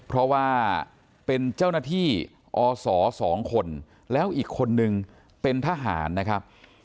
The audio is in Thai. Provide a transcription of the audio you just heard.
เพราะว่าเป็นเจ้าหน้าที่อศ๒คนแล้วอีกคนนึงเป็นทหารนะครับ